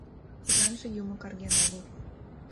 — Тидланже юмо карген огыл.